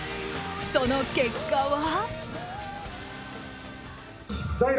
その結果は。